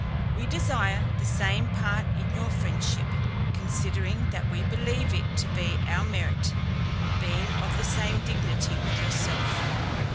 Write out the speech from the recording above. We desire the same part in your friendship, considering that we believe it to be our merit, being of the same dignity with yourself.